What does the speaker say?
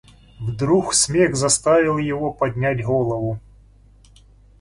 Вдруг смех заставил его поднять голову.